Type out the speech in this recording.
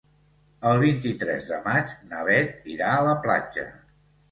El vint-i-tres de maig na Beth irà a la platja.